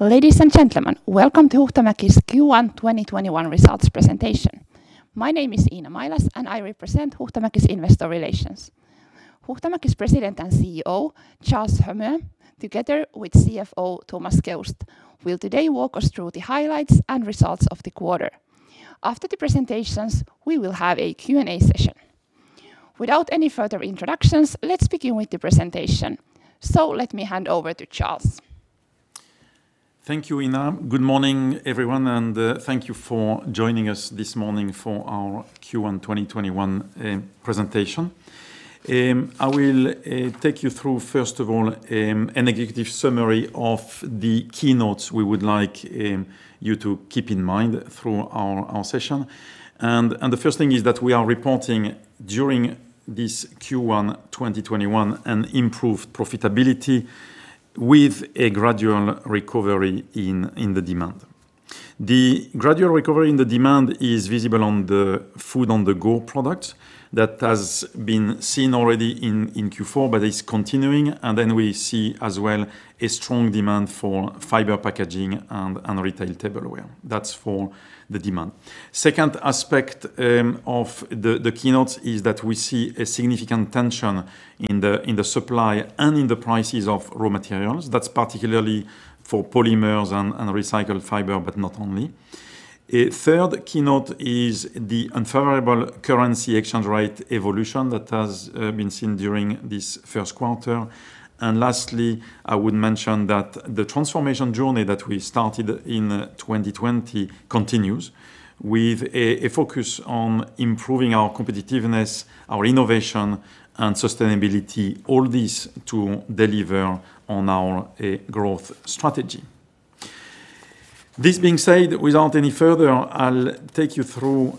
Ladies and gentlemen, welcome to Huhtamäki's Q1 2021 results presentation. My name is Iina Mailas, and I represent Huhtamäki's Investor Relations. Huhtamäki's President and CEO, Charles Héaulmé, together with CFO Thomas Geust, will today walk us through the highlights and results of the quarter. After the presentations, we will have a Q&A session. Without any further introductions, let's begin with the presentation. Let me hand over to Charles. Thank you, Iina. Good morning, everyone, thank you for joining us this morning for our Q1 2021 presentation. I will take you through, first of all, an executive summary of the keynotes we would like you to keep in mind through our session. The first thing is that we are reporting, during this Q1 2021, an improved profitability with a gradual recovery in the demand. The gradual recovery in the demand is visible on the food-on-the-go product that has been seen already in Q4, it's continuing. We see as well, a strong demand for fiber packaging and retail tableware. That's for the demand. Second aspect of the keynotes is that we see a significant tension in the supply and in the prices of raw materials. That's particularly for polymers and recycled fiber, not only. A third keynote is the unfavorable currency exchange rate evolution that has been seen during this first quarter. Lastly, I would mention that the transformation journey that we started in 2020 continues with a focus on improving our competitiveness, our innovation, and sustainability, all this to deliver on our growth strategy. This being said, without any further, I'll take you through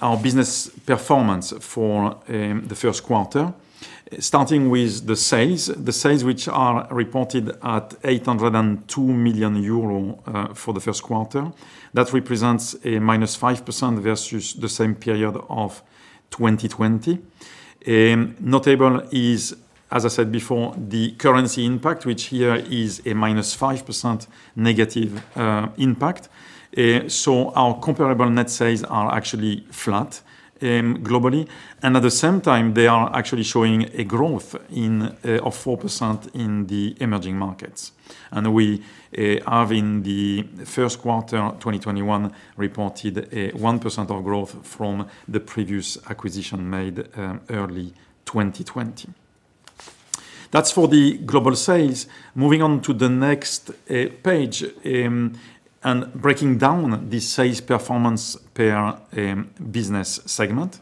our business performance for the first quarter, starting with the sales. The sales, which are reported at 802 million euros for the first quarter. That represents a -5% versus the same period of 2020. Notable is, as I said before, the currency impact, which here is a -5% negative impact. Our comparable net sales are actually flat globally, and at the same time, they are actually showing a growth of 4% in the emerging markets. We have, in the first quarter 2021, reported a 1% of growth from the previous acquisition made early 2020. That's for the global sales. Moving on to the next page, and breaking down the sales performance per business segment.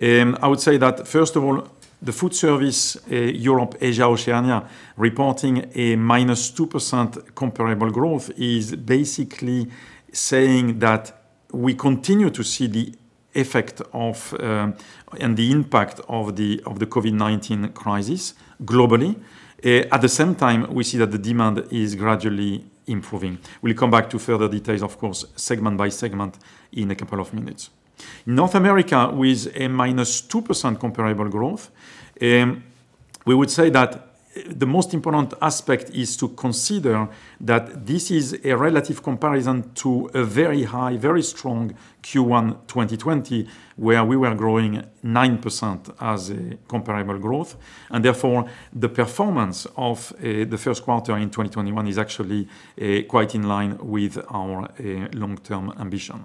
I would say that first of all, the Foodservice Europe-Asia-Oceania, reporting a -2% comparable growth is basically saying that we continue to see the effect of and the impact of the COVID-19 crisis globally. At the same time, we see that the demand is gradually improving. We'll come back to further details, of course, segment by segment in a couple of minutes. North America with a -2% comparable growth, we would say that the most important aspect is to consider that this is a relative comparison to a very high, very strong Q1 2020, where we were growing 9% as a comparable growth. Therefore, the performance of the first quarter in 2021 is actually quite in line with our long-term ambition.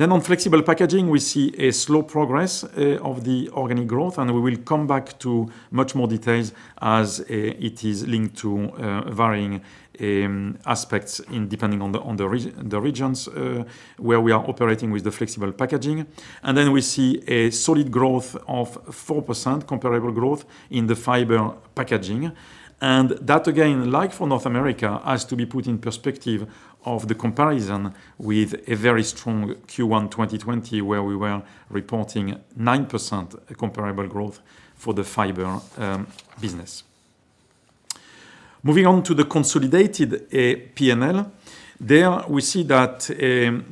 On flexible packaging, we see a slow progress of the organic growth, and we will come back to much more details as it is linked to varying aspects depending on the regions where we are operating with the flexible packaging. Then we see a solid growth of 4% comparable growth in the fiber packaging. That, again, like for North America, has to be put in perspective of the comparison with a very strong Q1 2020, where we were reporting 9% comparable growth for the fiber business. Moving on to the consolidated P&L. There we see that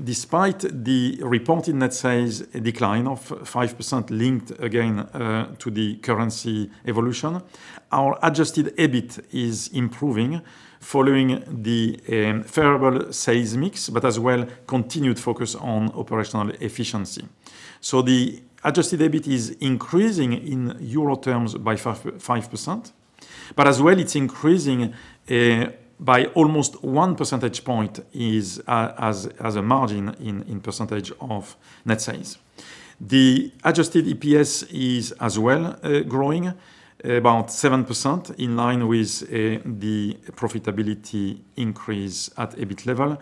despite the reported net sales decline of 5% linked again, to the currency evolution, our Adjusted EBIT is improving following the favorable sales mix, but as well continued focus on operational efficiency. The Adjusted EBIT is increasing in EUR terms by 5%, but as well it's increasing by almost 1 percentage point as a margin in percentage of net sales. The Adjusted EPS is as well growing about 7%, in line with the profitability increase at EBIT level.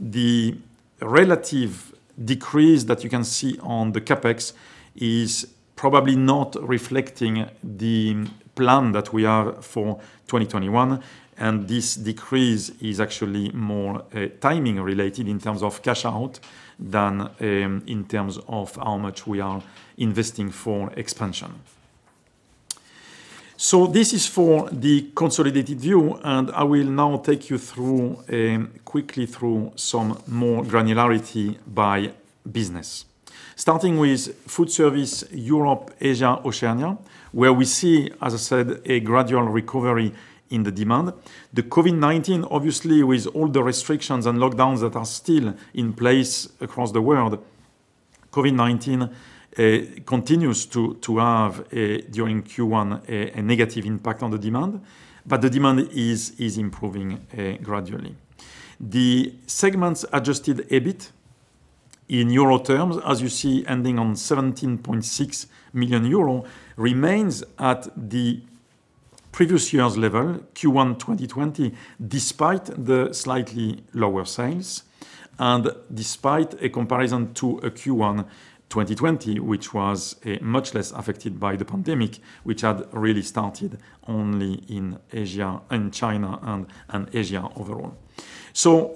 The relative decrease that you can see on the CapEx is probably not reflecting the plan that we have for 2021, and this decrease is actually more timing related in terms of cash out than in terms of how much we are investing for expansion. This is for the consolidated view, and I will now take you quickly through some more granularity by business. Starting with Foodservice Europe, Asia, Oceania, where we see, as I said, a gradual recovery in the demand. The COVID-19, obviously, with all the restrictions and lockdowns that are still in place across the world, COVID-19 continues to have, during Q1, a negative impact on the demand, but the demand is improving gradually. The segment's Adjusted EBIT in EUR terms, as you see, ending on 17.6 million euro, remains at the previous year's level, Q1 2020, despite the slightly lower sales and despite a comparison to a Q1 2020, which was much less affected by the pandemic, which had really started only in Asia and China and Asia overall.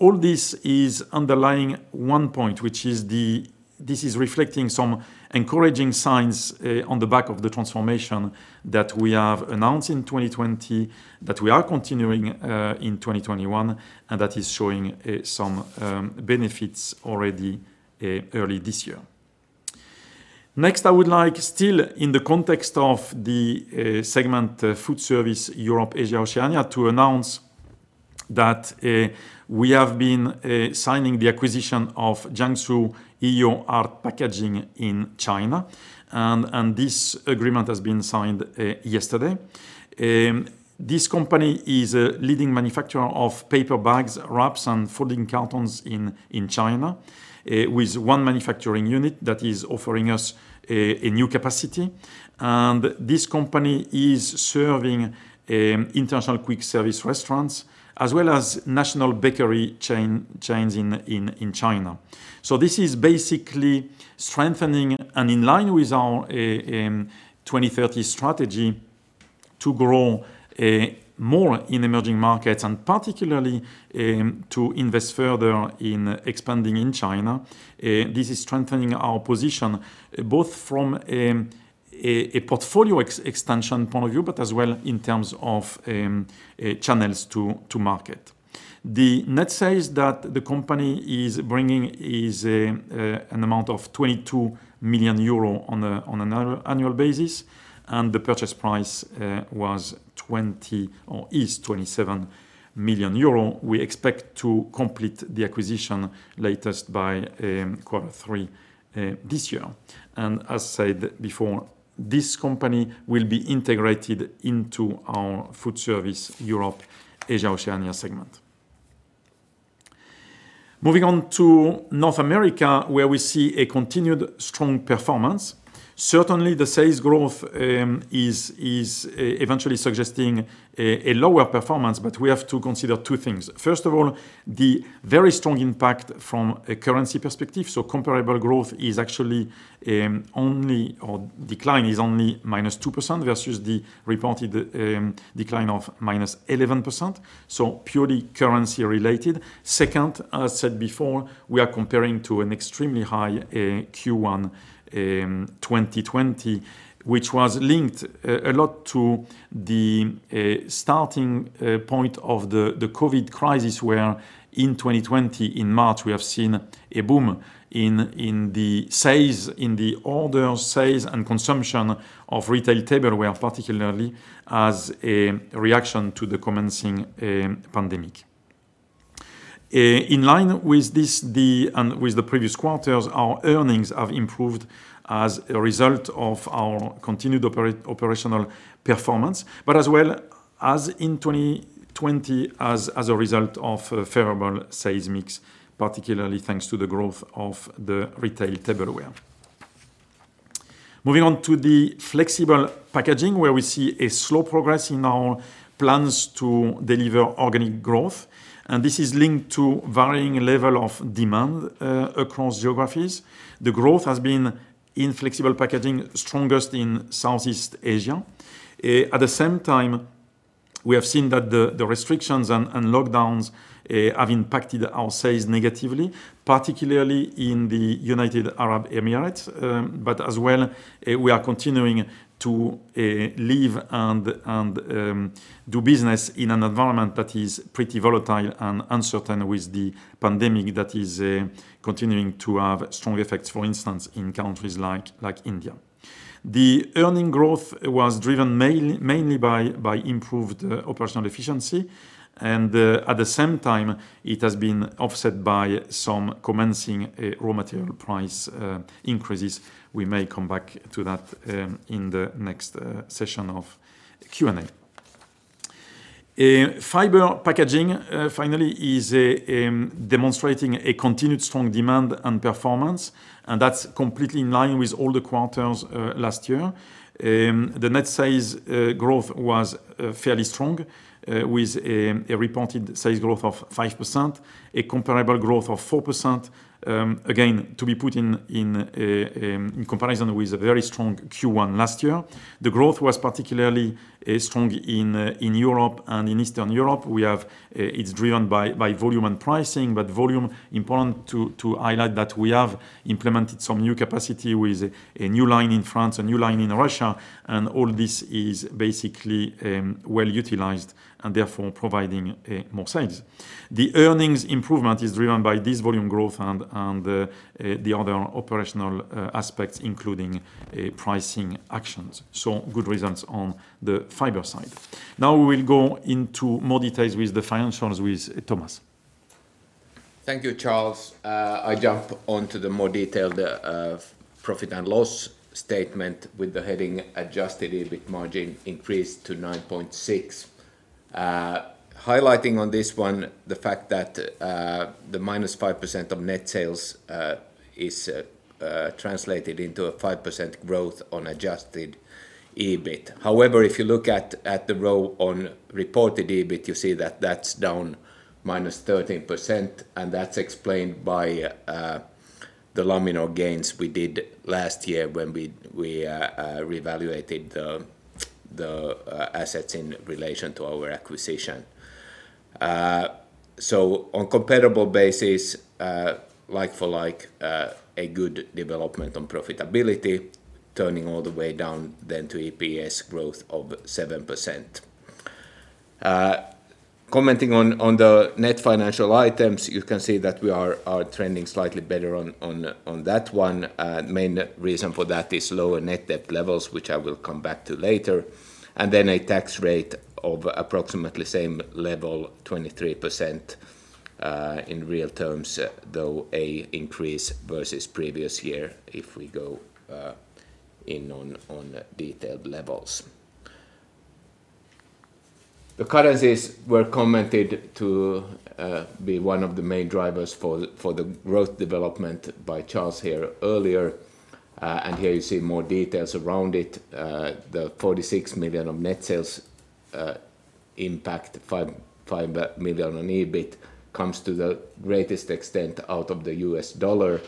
All this is underlying one point, which is this is reflecting some encouraging signs on the back of the transformation that we have announced in 2020, that we are continuing in 2021, and that is showing some benefits already early this year. Next, I would like, still in the context of the segment Foodservice Europe-Asia-Oceania, to announce that we have been signing the acquisition of Jiangsu Hihio-Art Packaging in China. This agreement has been signed yesterday. This company is a leading manufacturer of paper bags, wraps, and folding cartons in China, with one manufacturing unit that is offering us a new capacity. This company is serving international quick service restaurants as well as national bakery chains in China. This is basically strengthening and in line with our 2030 strategy to grow more in emerging markets and particularly to invest further in expanding in China. This is strengthening our position both from a portfolio extension point of view, but as well in terms of channels to market. The net sales that the company is bringing is an amount of 22 million euro on an annual basis, and the purchase price is 27 million euro. We expect to complete the acquisition latest by quarter 3 this year. As said before, this company will be integrated into our Foodservice Europe-Asia-Oceania segment. Moving on to North America, where we see a continued strong performance. Certainly, the sales growth is eventually suggesting a lower performance, but we have to consider two things. First of all, the very strong impact from a currency perspective. Comparable growth or decline is only -2% versus the reported decline of -11%. Purely currency related. Second, as said before, we are comparing to an extremely high Q1 2020, which was linked a lot to the starting point of the COVID crisis, where in 2020, in March, we have seen a boom in the sales, in the order sales and consumption of retail tableware, particularly as a reaction to the commencing pandemic. In line with this and with the previous quarters, our earnings have improved as a result of our continued operational performance, but as well as in 2020 as a result of favorable sales mix, particularly thanks to the growth of the retail tableware. Moving on to the Flexible Packaging, where we see a slow progress in our plans to deliver organic growth, and this is linked to varying level of demand across geographies. The growth has been, in Flexible Packaging, strongest in Southeast Asia. At the same time, we have seen that the restrictions and lockdowns have impacted our sales negatively, particularly in the United Arab Emirates. As well, we are continuing to live and do business in an environment that is pretty volatile and uncertain with the pandemic that is continuing to have strong effects, for instance, in countries like India. The earning growth was driven mainly by improved operational efficiency. At the same time, it has been offset by some commencing raw material price increases. We may come back to that in the next session of Q&A. Fiber packaging, finally, is demonstrating a continued strong demand and performance. That's completely in line with all the quarters last year. The net sales growth was fairly strong, with a reported sales growth of 5%, a comparable growth of 4%, again, to be put in comparison with a very strong Q1 last year. The growth was particularly strong in Europe and in Eastern Europe. It's driven by volume and pricing, but volume, important to highlight that we have implemented some new capacity with a new line in France, a new line in Russia, and all this is basically well utilized and therefore providing more sales. The earnings improvement is driven by this volume growth and the other operational aspects, including pricing actions. Good results on the fiber side. Now we will go into more details with the financials with Thomas. Thank you, Charles. I jump on to the more detailed profit and loss statement with the heading Adjusted EBIT Margin Increased to 9.6%. Highlighting on this one the fact that the -5% of net sales is translated into a 5% growth on Adjusted EBIT. If you look at the row on Reported EBIT, you see that that's down -13%, and that's explained by the Laminor gains we did last year when we reevaluated the assets in relation to our acquisition. On comparable basis, like for like, a good development on profitability, turning all the way down then to EPS growth of 7%. Commenting on the net financial items, you can see that we are trending slightly better on that one. Main reason for that is lower net debt levels, which I will come back to later. A tax rate of approximately same level, 23%, in real terms, though, an increase versus previous year if we go in on detailed levels. The currencies were commented to be one of the main drivers for the growth development by Charles here earlier. Here you see more details around it. The 46 million of net sales impact 5 million on EBIT comes to the greatest extent out of the U.S. dollar,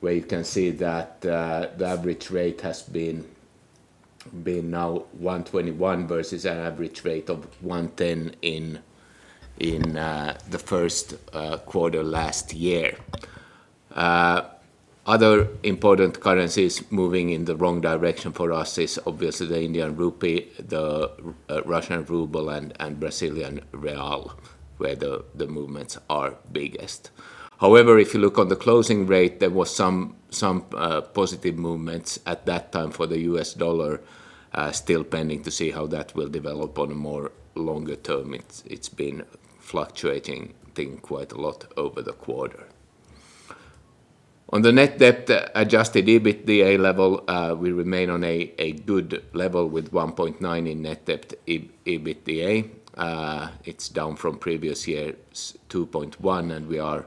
where you can see that the average rate has been now 121 versus an average rate of 110 in the first quarter last year. Other important currencies moving in the wrong direction for us is obviously the Indian rupee, the Russian ruble, and Brazilian real, where the movements are biggest. However, if you look on the closing rate, there was some positive movements at that time for the US dollar, still pending to see how that will develop on a more longer term. It's been fluctuating quite a lot over the quarter. On the net debt Adjusted EBITDA level, we remain on a good level with 1.9 in net debt EBITDA. It's down from previous year's 2.1,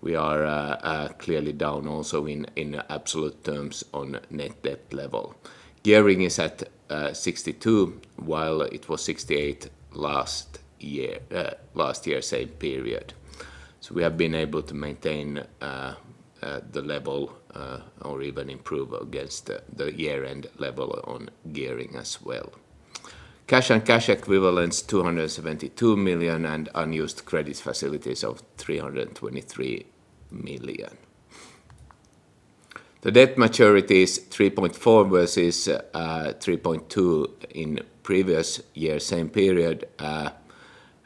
we are clearly down also in absolute terms on net debt level. Gearing is at 62, while it was 68 last year same period. We have been able to maintain the level or even improve against the year-end level on gearing as well. Cash and cash equivalents, 272 million and unused credit facilities of 323 million. The debt maturity is 3.4 versus 3.2 in previous year same period.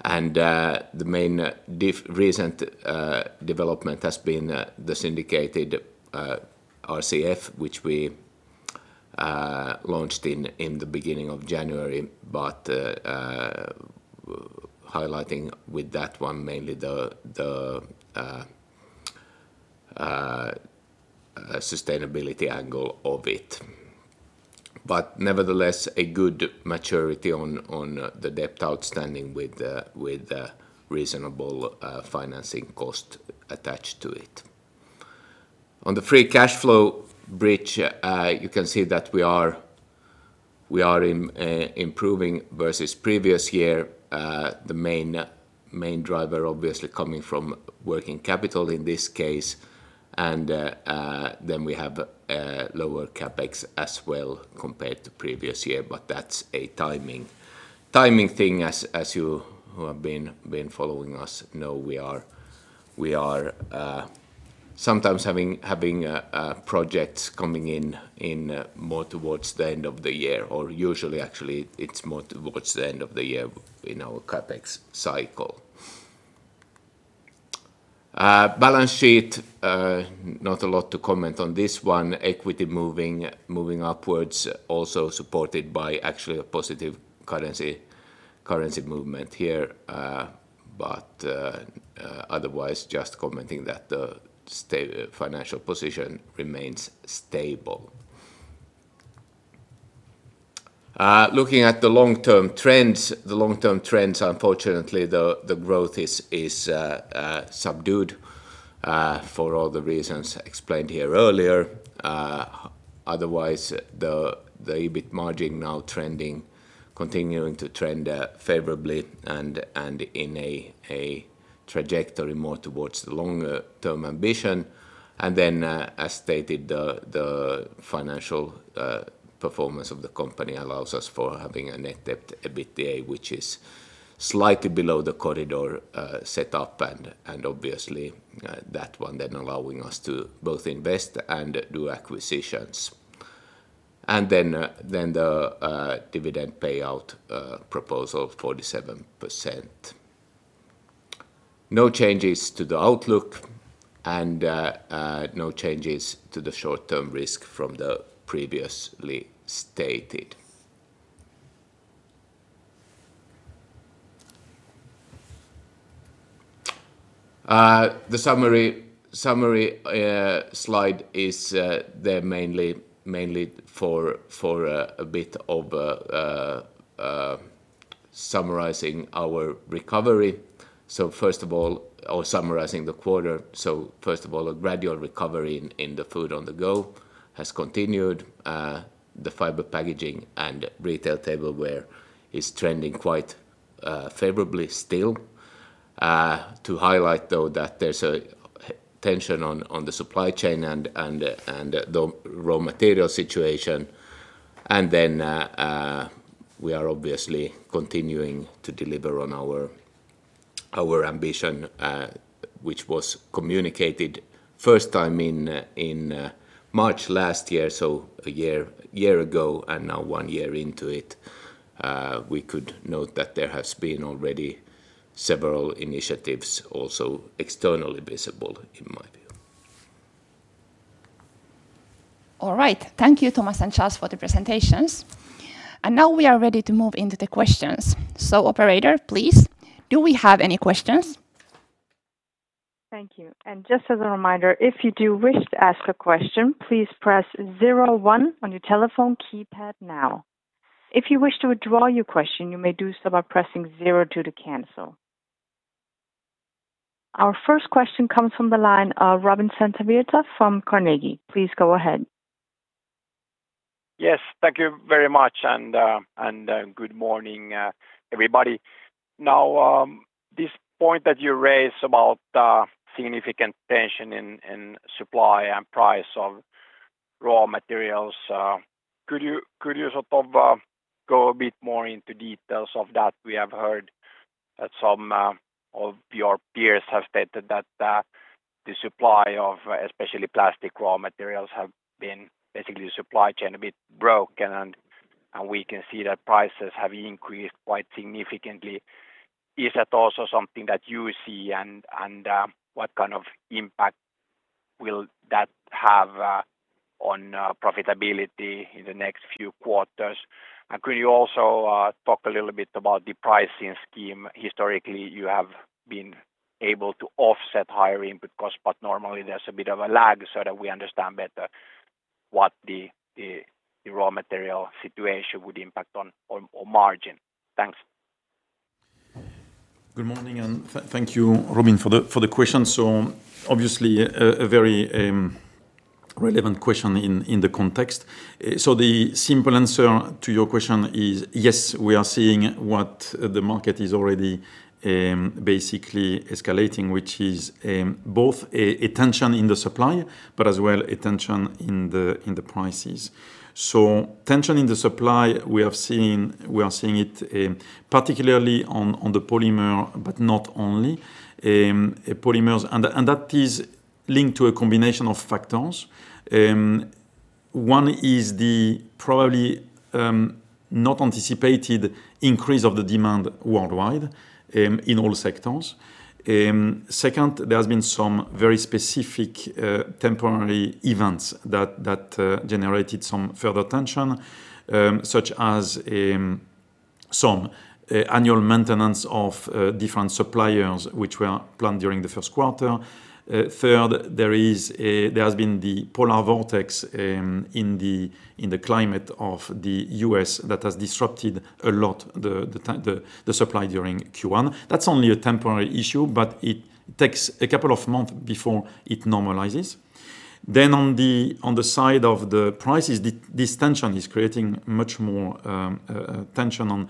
The main recent development has been the syndicated RCF, which we launched in the beginning of January. Highlighting with that one mainly the sustainability angle of it. Nevertheless, a good maturity on the debt outstanding with reasonable financing cost attached to it. On the free cash flow bridge, you can see that we are improving versus previous year. The main driver obviously coming from working capital in this case. Then we have lower CapEx as well compared to previous year, but that's a timing thing as you who have been following us know we are sometimes having projects coming in more towards the end of the year, or usually actually it's more towards the end of the year in our CapEx cycle. Balance sheet, not a lot to comment on this one. Equity moving upwards, also supported by actually a positive currency movement here. Otherwise, just commenting that the financial position remains stable. Looking at the long-term trends, unfortunately, the growth is subdued for all the reasons explained here earlier. Otherwise, the EBIT margin now continuing to trend favorably and in a trajectory more towards the longer-term ambition. As stated, the financial performance of the company allows us for having a net debt to EBITDA, which is slightly below the corridor set up and obviously that one then allowing us to both invest and do acquisitions. The dividend payout proposal of 47%. No changes to the outlook and no changes to the short-term risk from the previously stated. The summary slide is there mainly for a bit of summarizing our recovery or summarizing the quarter. First of all, a gradual recovery in the food-on-the-go has continued. The fiber packaging and retail tableware is trending quite favorably still. To highlight, though, that there's a tension on the supply chain and the raw material situation. We are obviously continuing to deliver on our ambition, which was communicated first time in March last year, so a year ago. Now one year into it, we could note that there has been already several initiatives also externally visible, in my view. All right. Thank you, Thomas and Charles, for the presentations. Now we are ready to move into the questions. Operator, please, do we have any questions? Thank you. Just as a reminder, if you do wish to ask a question, please press zero one on your telephone keypad now. If you wish to withdraw your question, you may do so by pressing zero two to cancel. Our first question comes from the line of Robin Santavirta from Carnegie. Please go ahead. Yes. Thank you very much, and good morning, everybody. This point that you raised about significant tension in supply and price of raw materials, could you go a bit more into details of that? We have heard that some of your peers have stated that the supply of especially plastic raw materials have been the supply chain a bit broken, and we can see that prices have increased quite significantly. Is that also something that you see, and what kind of impact will that have on profitability in the next few quarters? Could you also talk a little bit about the pricing scheme? Historically, you have been able to offset higher input costs, but normally there's a bit of a lag so that we understand better what the raw material situation would impact on margin. Thanks. Good morning, and thank you, Robin, for the question. Obviously, a very relevant question in the context. The simple answer to your question is yes, we are seeing what the market is already basically escalating, which is both a tension in the supply, but as well, a tension in the prices. Tension in the supply, we are seeing it particularly on the polymer, but not only polymers, and that is linked to a combination of factors. One is the probably not anticipated increase of the demand worldwide in all sectors. Second, there has been some very specific temporary events that generated some further tension, such as some annual maintenance of different suppliers, which were planned during the first quarter. Third, there has been the polar vortex in the climate of the U.S. that has disrupted a lot the supply during Q1. That's only a temporary issue, but it takes a couple of months before it normalizes. On the side of the prices, this tension is creating much more tension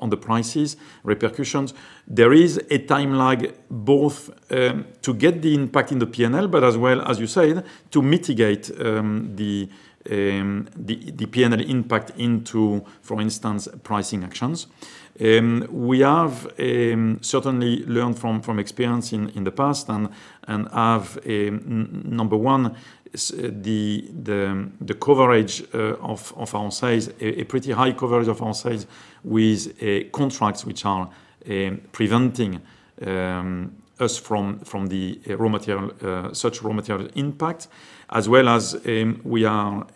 on the prices repercussions. There is a time lag both to get the impact in the P&L, but as well, as you said, to mitigate the P&L impact into, for instance, pricing actions. We have certainly learned from experience in the past and have, number one, the coverage of our sales, a pretty high coverage of our sales with contracts which are preventing us from such raw material impact, as well as we are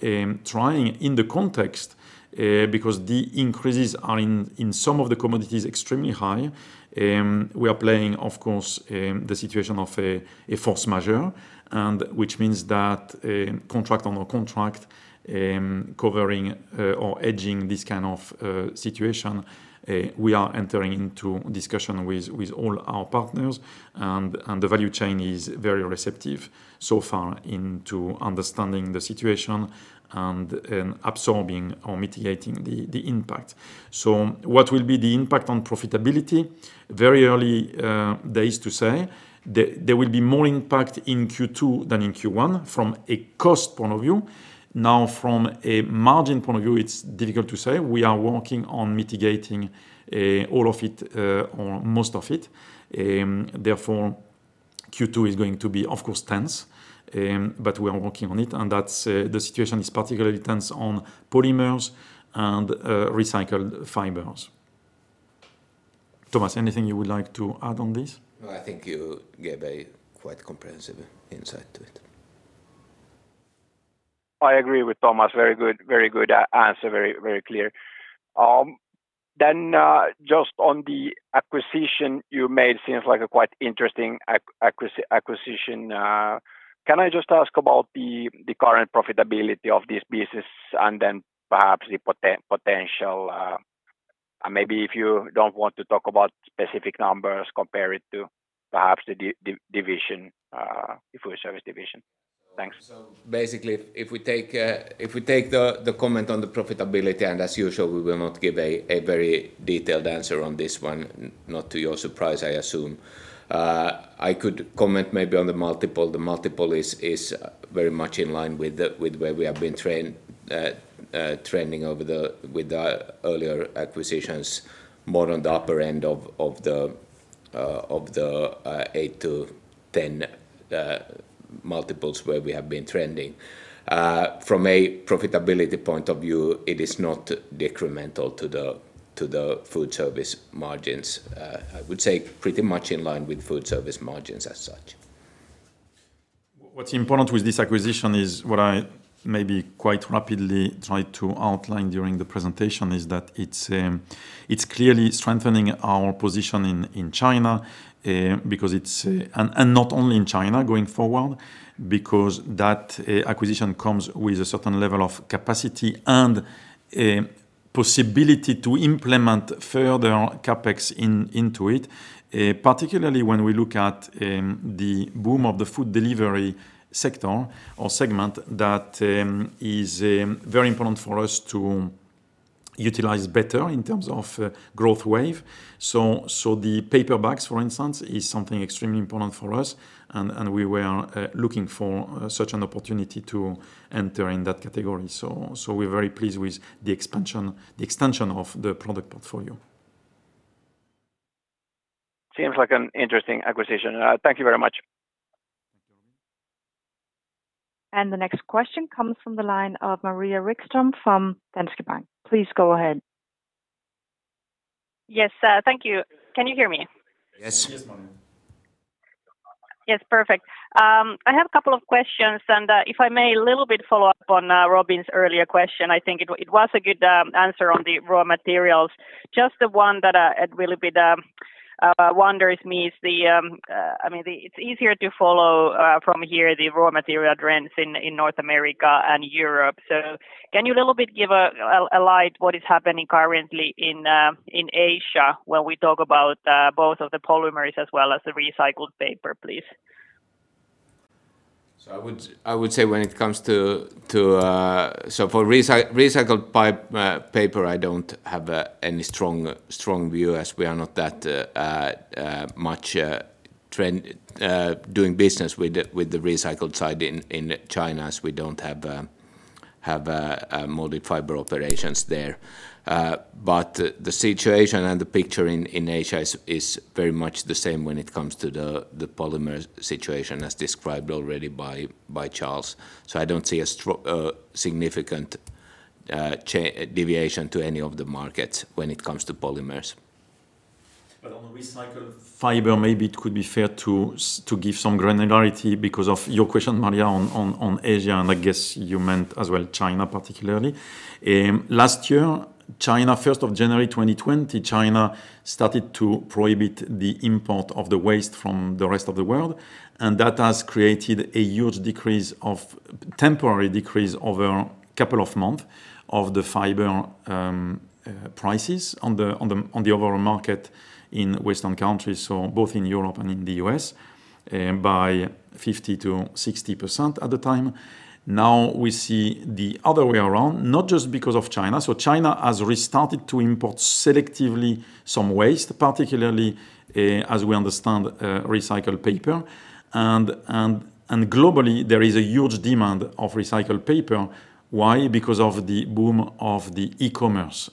trying in the context, because the increases are in some of the commodities extremely high. We are playing, of course, the situation of a force majeure, and which means that contract on a contract covering or hedging this kind of situation. We are entering into discussion with all our partners, and the value chain is very receptive so far into understanding the situation and absorbing or mitigating the impact. What will be the impact on profitability? Very early days to say. There will be more impact in Q2 than in Q1 from a cost point of view. From a margin point of view, it's difficult to say. We are working on mitigating all of it or most of it. Q2 is going to be, of course, tense, but we are working on it, and the situation is particularly tense on polymers and recycled fibers. Thomas, anything you would like to add on this? No, I think you gave a quite comprehensive insight to it. I agree with Thomas. Very good answer. Very clear. Just on the acquisition you made, seems like a quite interesting acquisition. Can I just ask about the current profitability of this business and then perhaps the potential? Maybe if you don't want to talk about specific numbers, compare it to perhaps the Foodservice division. Thanks. Basically, if we take the comment on the profitability, and as usual, we will not give a very detailed answer on this one, not to your surprise, I assume. I could comment maybe on the multiple. The multiple is very much in line with where we have been trending with the earlier acquisitions, more on the upper end of the 8 to 10 multiples where we have been trending. From a profitability point of view, it is not decremental to the Foodservice margins. I would say pretty much in line with Foodservice margins as such. What's important with this acquisition is what I maybe quite rapidly tried to outline during the presentation, is that it's clearly strengthening our position in China. Not only in China going forward, because that acquisition comes with a certain level of capacity and a possibility to implement further CapEx into it. Particularly when we look at the boom of the food delivery sector or segment that is very important for us to utilize better in terms of growth wave. The paper bags, for instance, is something extremely important for us, and we were looking for such an opportunity to enter in that category. We're very pleased with the extension of the product portfolio. Seems like an interesting acquisition. Thank you very much. Thank you. The next question comes from the line of Maria Wikstrom from Danske Bank. Please go ahead. Yes, thank you. Can you hear me? Yes. Yes, ma'am. Yes. Perfect. I have a couple of questions, and if I may a little bit follow up on Robin’s earlier question. I think it was a good answer on the raw materials. Just the one that a little bit wonders me is, it’s easier to follow from here the raw material trends in North America and Europe. Can you a little bit give a light what is happening currently in Asia when we talk about both of the polymers as well as the recycled paper, please? I would say for recycled paper, I don't have any strong view as we are not that much doing business with the recycled side in China, as we don't have multi-fiber operations there. The situation and the picture in Asia is very much the same when it comes to the polymer situation as described already by Charles. I don't see a significant deviation to any of the markets when it comes to polymers. On the recycled fiber, maybe it could be fair to give some granularity because of your question, Maria, on Asia, and I guess you meant as well China particularly. Last year, 1 of January 2020, China started to prohibit the import of the waste from the rest of the world, and that has created a huge temporary decrease over a couple of months of the fiber prices on the overall market in Western countries, both in Europe and in the U.S., by 50%-60% at the time. Now we see the other way around, not just because of China. China has restarted to import selectively some waste, particularly, as we understand, recycled paper, and globally, there is a huge demand of recycled paper. Why? Because of the boom of the e-commerce,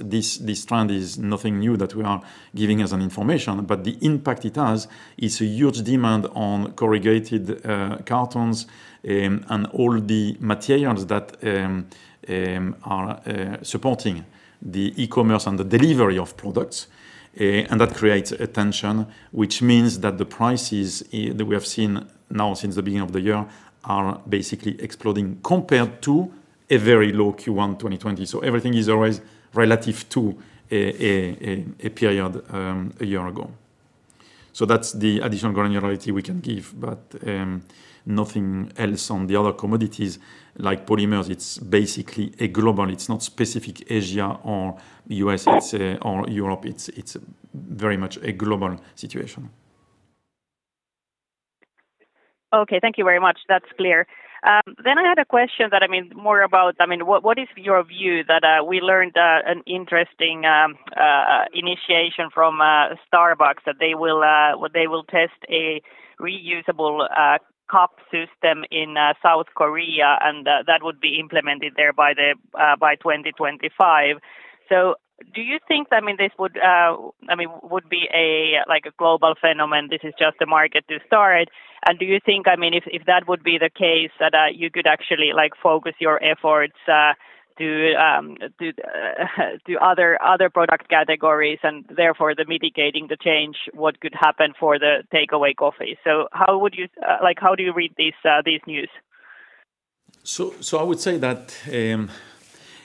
this trend is nothing new that we are giving as an information, but the impact it has is a huge demand on corrugated cartons and all the materials that are supporting the e-commerce and the delivery of products. That creates a tension, which means that the prices that we have seen now since the beginning of the year are basically exploding compared to a very low Q1 2020. Everything is always relative to a period a year ago. That's the additional granularity we can give, but nothing else on the other commodities like polymers. It's basically a global, it's not specific Asia or U.S. or Europe. It's very much a global situation. Thank you very much. That's clear. I had a question that, what is your view that we learned an interesting initiation from Starbucks that they will test a reusable cup system in South Korea, and that would be implemented there by 2025. Do you think this would be a global phenomenon? This is just a market to start. Do you think, if that would be the case, that you could actually focus your efforts to other product categories and therefore mitigating the change, what could happen for the takeaway coffee? How do you read this news? I would say that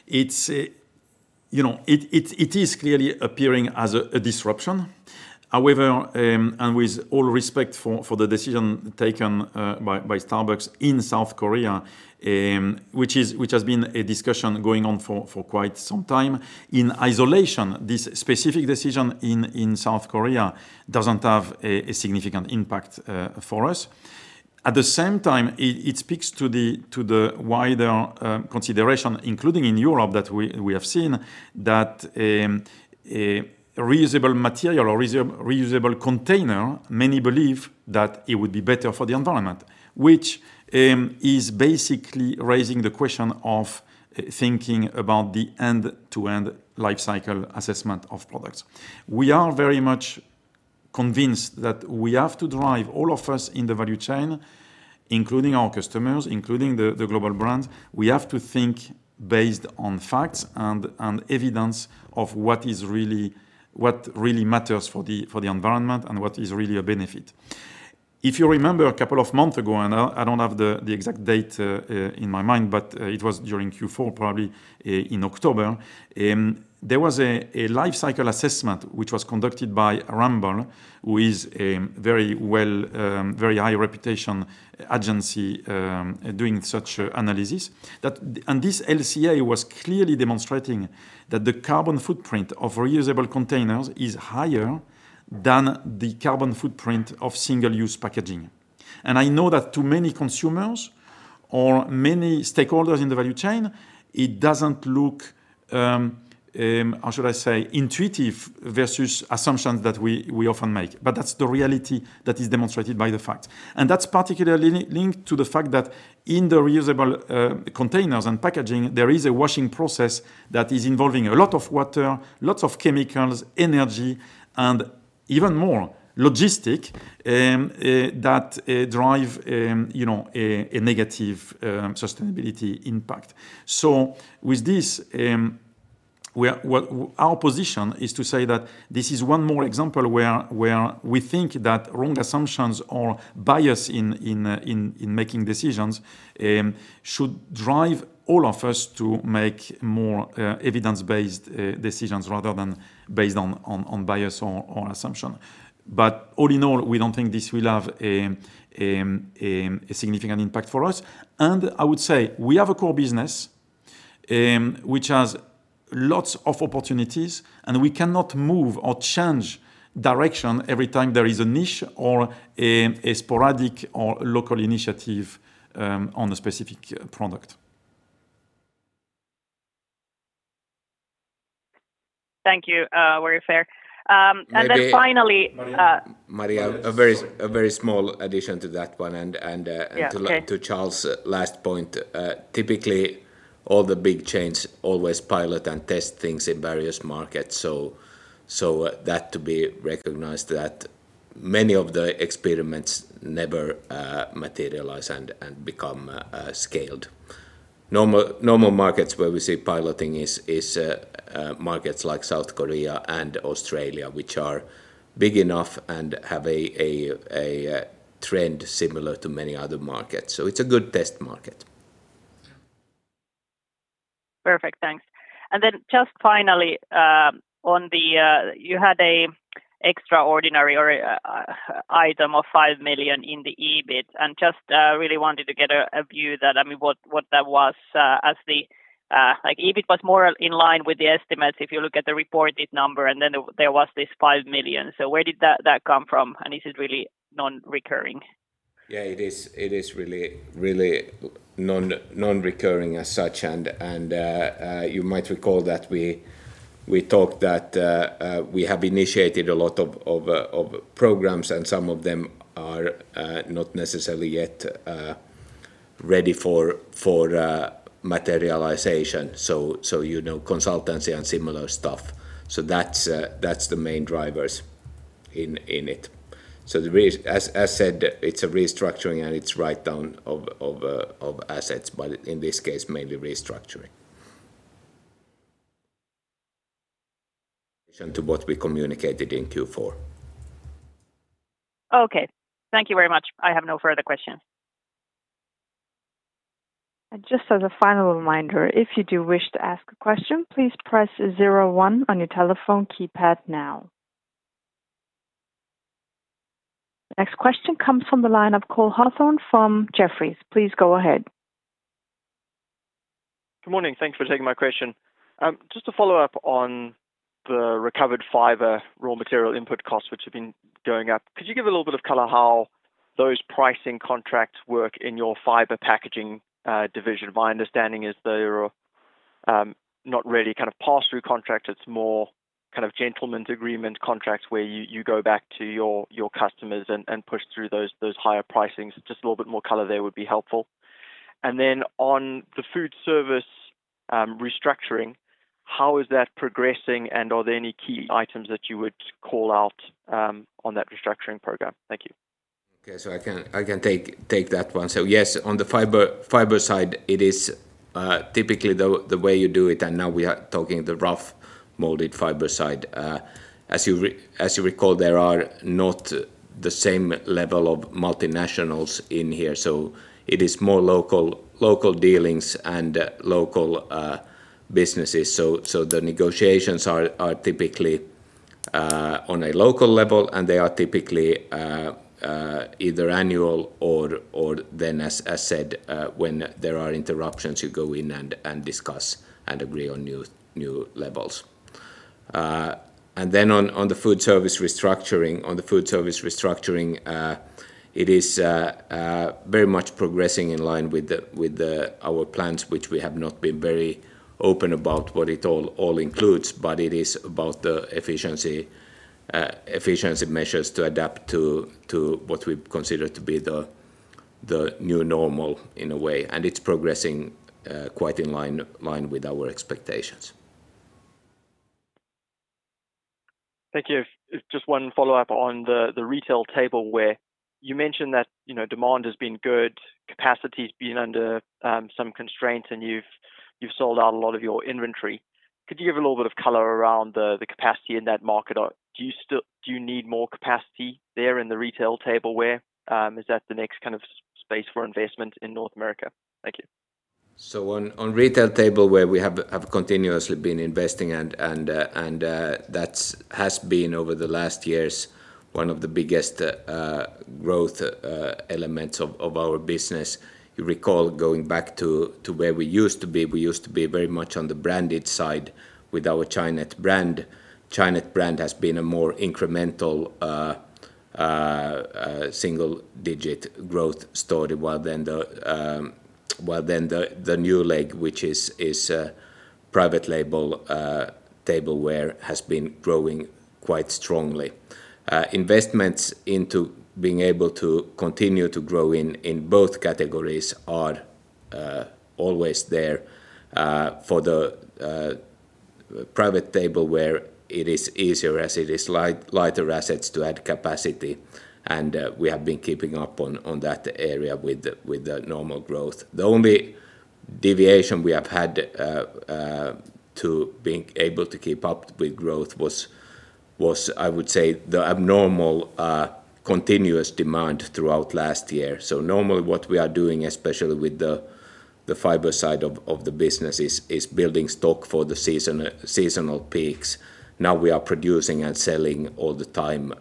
it is clearly appearing as a disruption. However, and with all respect for the decision taken by Starbucks in South Korea, which has been a discussion going on for quite some time. In isolation, this specific decision in South Korea doesn't have a significant impact for us. At the same time, it speaks to the wider consideration, including in Europe, that we have seen that reusable material or reusable container, many believe that it would be better for the environment. Which is basically raising the question of thinking about the end-to-end life cycle assessment of products. We are very much convinced that we have to drive all of us in the value chain, including our customers, including the global brands. We have to think based on facts and evidence of what really matters for the environment and what is really a benefit. If you remember a couple of months ago, I don't have the exact date in my mind, but it was during Q4, probably in October, there was a life cycle assessment which was conducted by Ramboll, who is a very high reputation agency doing such analysis. This LCA was clearly demonstrating that the carbon footprint of reusable containers is higher than the carbon footprint of single-use packaging. I know that to many consumers or many stakeholders in the value chain, it doesn't look, how should I say, intuitive versus assumptions that we often make, but that's the reality that is demonstrated by the facts. That's particularly linked to the fact that in the reusable containers and packaging, there is a washing process that is involving a lot of water, lots of chemicals, energy, and even more logistic, that drive a negative sustainability impact. With this, our position is to say that this is one more example where we think that wrong assumptions or bias in making decisions should drive all of us to make more evidence-based decisions rather than based on bias or assumption. All in all, we don't think this will have a significant impact for us. I would say we have a core business which has lots of opportunities, and we cannot move or change direction every time there is a niche or a sporadic or local initiative on a specific product. Thank you, very fair. Then finally. Maria, a very small addition to that one. Yeah. Okay. to Charles' last point. Typically, all the big chains always pilot and test things in various markets, so that to be recognized that many of the experiments never materialize and become scaled. Normal markets where we see piloting is markets like South Korea and Australia, which are big enough and have a trend similar to many other markets. It's a good test market. Perfect. Thanks. Then just finally, you had an extraordinary item of 5 million in the EBIT. I just really wanted to get a view what that was. Like EBIT was more in line with the estimates if you look at the reported number. There was this 5 million. Where did that come from, and is it really non-recurring? Yeah, it is really non-recurring as such. You might recall that we talked that we have initiated a lot of programs, and some of them are not necessarily yet ready for materialization. Consultancy and similar stuff. That's the main drivers in it. As said, it's a restructuring and it's write-down of assets, but in this case, mainly restructuring. To what we communicated in Q4. Okay. Thank you very much. I have no further questions. Just as a final reminder, if you do wish to ask a question, please press 01 on your telephone keypad now. Next question comes from the line of Calle Loikkanen from Jefferies. Please go ahead. Good morning. Thanks for taking my question. Just to follow up on the recovered fiber raw material input costs, which have been going up. Could you give a little bit of color how those pricing contracts work in your fiber packaging division? My understanding is they are not really kind of pass-through contracts. It is more kind of gentleman's agreement contracts where you go back to your customers and push through those higher pricings. Just a little bit more color there would be helpful. Then on the Foodservice restructuring, how is that progressing, and are there any key items that you would call out on that restructuring program? Thank you. Okay, I can take that one. Yes, on the fiber side, it is typically the way you do it, and now we are talking the rough molded fiber side. As you recall, there are not the same level of multinationals in here, so it is more local dealings and local businesses. The negotiations are typically on a local level and they are typically either annual or then, as said, when there are interruptions, you go in and discuss and agree on new levels. On the food service restructuring, it is very much progressing in line with our plans, which we have not been very open about what it all includes, but it is about the efficiency measures to adapt to what we consider to be the new normal in a way. It's progressing quite in line with our expectations. Thank you. Just one follow-up on the retail tableware. You mentioned that demand has been good, capacity's been under some constraints, and you've sold out a lot of your inventory. Could you give a little bit of color around the capacity in that market, or do you need more capacity there in the retail tableware? Is that the next space for investment in North America? Thank you. On retail tableware, we have continuously been investing and that has been, over the last years, one of the biggest growth elements of our business. You recall, going back to where we used to be, we used to be very much on the branded side with our Chinet brand. Chinet brand has been a more incremental single-digit growth story, while then the new leg, which is private label tableware, has been growing quite strongly. Investments into being able to continue to grow in both categories are always there. For the private label tableware, it is easier as it is lighter assets to add capacity, and we have been keeping up on that area with the normal growth. The only deviation we have had to being able to keep up with growth was, I would say, the abnormal continuous demand throughout last year. Normally what we are doing, especially with the fiber side of the business, is building stock for the seasonal peaks. Now we are producing and selling all the time,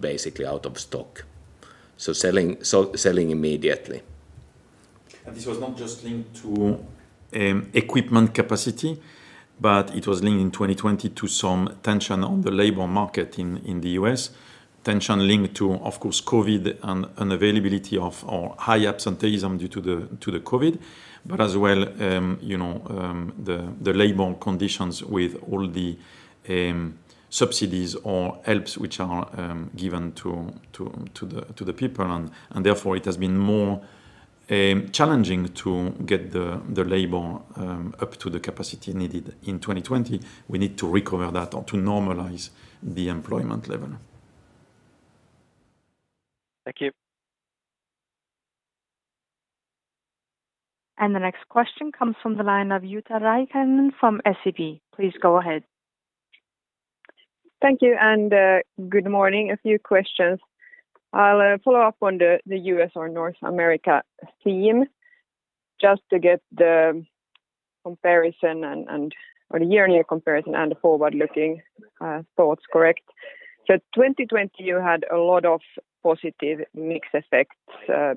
basically out of stock. Selling immediately. This was not just linked to equipment capacity, but it was linked in 2020 to some tension on the labor market in the U.S. Tension linked to, of course, COVID and unavailability of, or high absenteeism due to the COVID. As well, the labor conditions with all the subsidies or helps, which are given to the people. Therefore it has been more challenging to get the labor up to the capacity needed in 2020. We need to recover that or to normalize the employment level. Thank you. The next question comes from the line of Jutta Rahikainen from SEB. Please go ahead. Thank you, and good morning. A few questions. I'll follow up on the U.S. or North America theme just to get the year-on-year comparison and the forward-looking thoughts correct. 2020, you had a lot of positive mix effects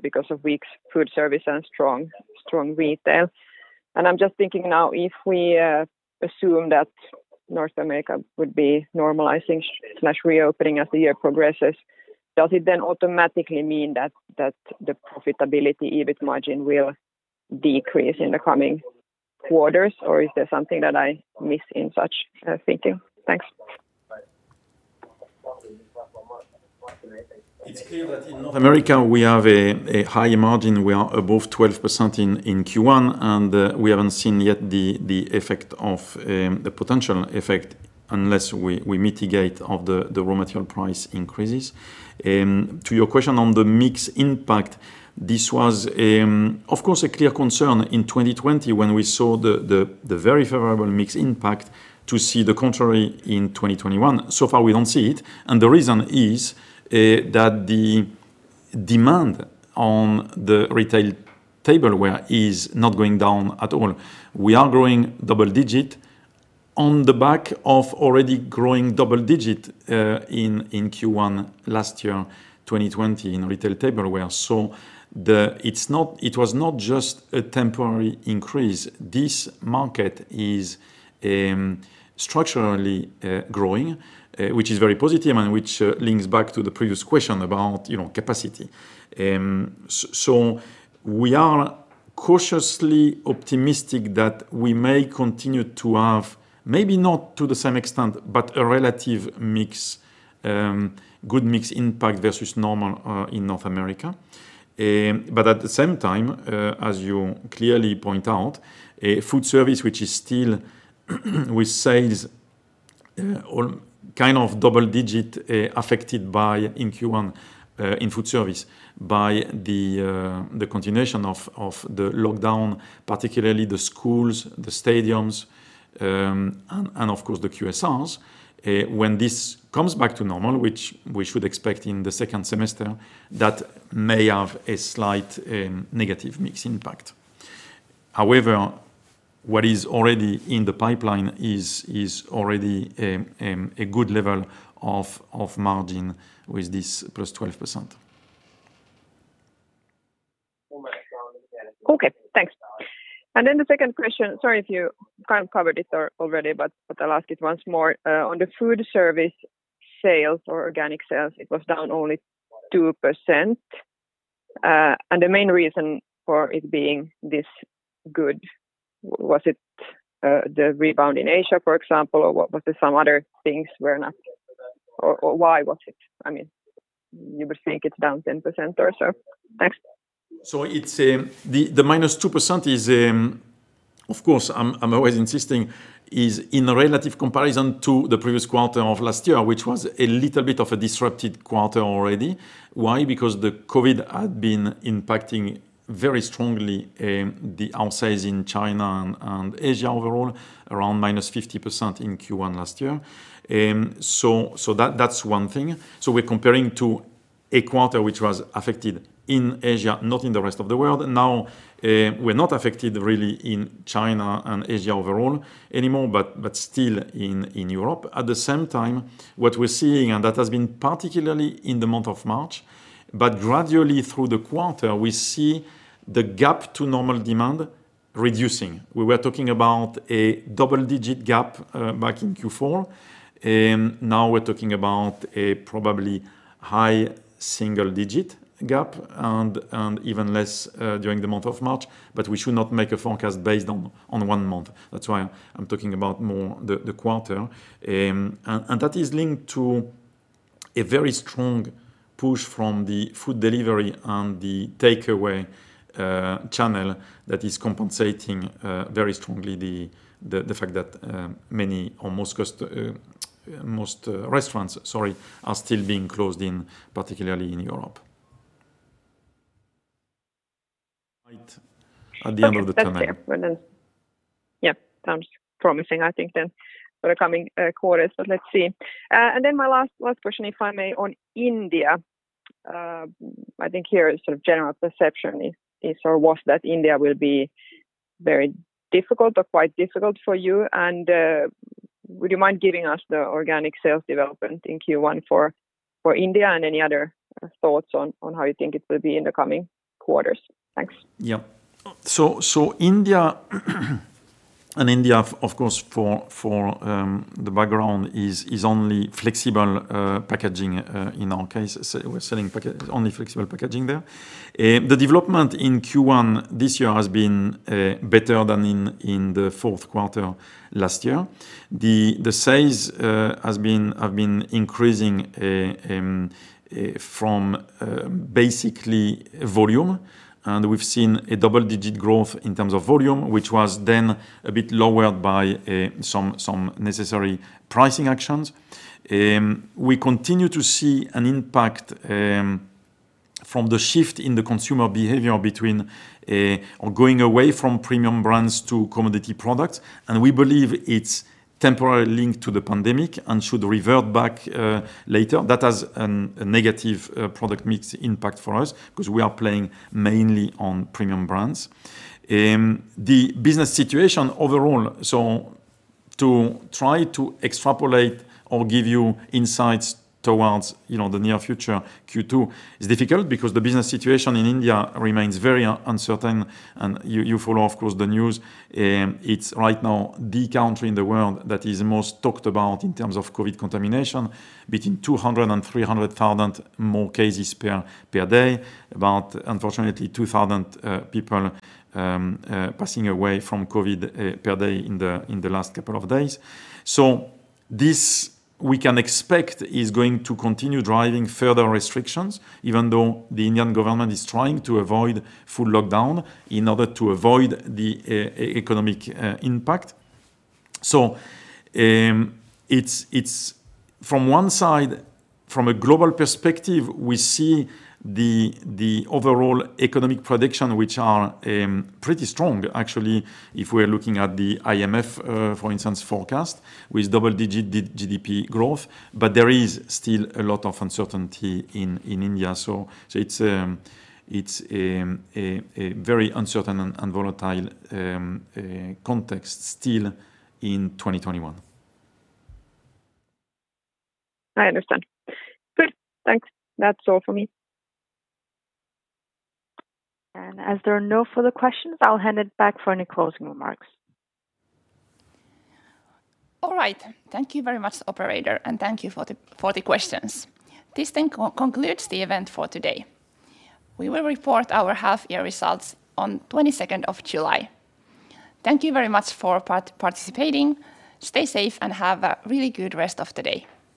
because of weak food service and strong retail. I'm just thinking now, if we assume that North America would be normalizing/reopening as the year progresses, does it then automatically mean that the profitability, EBIT margin, will decrease in the coming quarters, or is there something that I miss in such thinking? Thanks. It's clear that in North America, we have a high margin. We are above 12% in Q1, and we haven't seen yet the potential effect unless we mitigate the raw material price increases. To your question on the mix impact, this was of course a clear concern in 2020 when we saw the very favorable mix impact to see the contrary in 2021. So far, we don't see it, and the reason is that the demand on the retail tableware is not going down at all. We are growing double digit on the back of already growing double digit in Q1 last year, 2020, in retail tableware. It was not just a temporary increase. This market is structurally growing, which is very positive and which links back to the previous question about capacity. We are cautiously optimistic that we may continue to have, maybe not to the same extent, but a relative good mix impact versus normal in North America. At the same time, as you clearly point out, food service, which is still with salesAll kind of double-digit affected in Q1 in food service by the continuation of the lockdown, particularly the schools, the stadiums, and of course, the QSRs. When this comes back to normal, which we should expect in the second semester, that may have a slight negative mix impact. What is already in the pipeline is already a good level of margin with this +12%. Okay, thanks. The second question, sorry if you kind of covered it already, I'll ask it once more. On the food service sales or organic sales, it was down only 2%. The main reason for it being this good, was it the rebound in Asia, for example, or was there some other things were not? Why was it? You would think it's down 10% or so. Thanks. The -2%, of course, I'm always insisting, is in relative comparison to the previous quarter of last year, which was a little bit of a disrupted quarter already. Why? Because the COVID had been impacting very strongly the outlets in China and Asia overall, around -50% in Q1 last year. That's one thing. We're comparing to a quarter which was affected in Asia, not in the rest of the world. We're not affected really in China and Asia overall anymore, but still in Europe. What we're seeing, and that has been particularly in the month of March, but gradually through the quarter, we see the gap to normal demand reducing. We were talking about a double-digit gap back in Q4, now we're talking about a probably high single-digit gap, and even less during the month of March. We should not make a forecast based on one month. That's why I'm talking about more the quarter. That is linked to a very strong push from the food delivery and the takeaway channel that is compensating very strongly the fact that most restaurants are still being closed, particularly in Europe. Light at the end of the tunnel. Okay, that's clear. Well, sounds promising, I think, for the coming quarters, but let's see. My last question, if I may, on India. I think here a sort of general perception is, or was, that India will be very difficult or quite difficult for you. Would you mind giving us the organic sales development in Q1 for India and any other thoughts on how you think it will be in the coming quarters? Thanks. India, of course, for the background, is only flexible packaging in our case. We are selling only flexible packaging there. The development in Q1 this year has been better than in the fourth quarter last year. The size have been increasing from basically volume, we have seen a double-digit growth in terms of volume, which was then a bit lowered by some necessary pricing actions. We continue to see an impact from the shift in the consumer behavior between going away from premium brands to commodity products, we believe it is temporarily linked to the pandemic and should revert back later. That has a negative product mix impact for us because we are playing mainly on premium brands. The business situation overall, so to try to extrapolate or give you insights towards the near future Q2 is difficult because the business situation in India remains very uncertain, and you follow, of course, the news. It's right now the country in the world that is most talked about in terms of COVID contamination, between 200,000 and 300,000 more cases per day, about unfortunately 2,000 people passing away from COVID per day in the last couple of days. This, we can expect, is going to continue driving further restrictions, even though the Indian government is trying to avoid full lockdown in order to avoid the economic impact. From one side, from a global perspective, we see the overall economic prediction, which are pretty strong, actually, if we're looking at the IMF, for instance, forecast with double-digit GDP growth. There is still a lot of uncertainty in India. It's a very uncertain and volatile context still in 2021. I understand. Good. Thanks. That's all for me. As there are no further questions, I'll hand it back for any closing remarks. All right. Thank you very much, operator, and thank you for the questions. This concludes the event for today. We will report our half-year results on 22 of July. Thank you very much for participating. Stay safe and have a really good rest of the day.